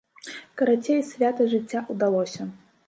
Карацей, свята жыцця ўдалося!